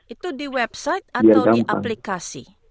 itu di website atau di aplikasi